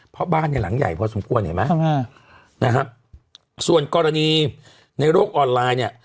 เพราะบ้านเนี่ยหลังใหญ่พอสมควรเห็นไหมนะครับส่วนกรณีในโลกออนไลน์เนี่ย